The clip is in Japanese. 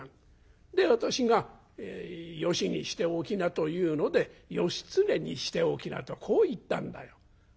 で私がよしにしておきなというので『義経にしておきな』とこう言ったんだよ」。